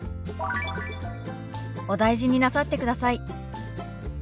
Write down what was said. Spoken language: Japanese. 「お大事になさってください」。